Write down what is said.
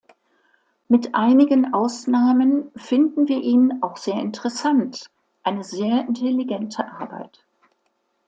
Mit einigen Ausnahmen finden wir ihn auch sehr interessant, eine sehr intelligente Arbeit.